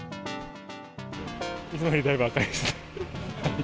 いつもよりだいぶ赤いですね。